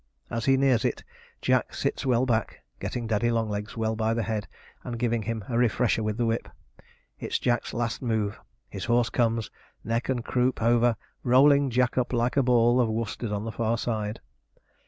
As he nears it, Jack sits well back, getting Daddy Longlegs well by the head, and giving him a refresher with the whip. It is Jack's last move! His horse comes, neck and croup over, rolling Jack up like a ball of worsted on the far side.